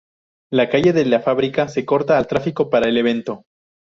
La calle de la fábrica se corta al tráfico para el evento.